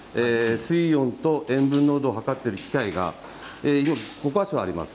水温と塩分濃度を測っている機械があります。